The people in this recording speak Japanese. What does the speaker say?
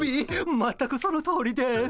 全くそのとおりです。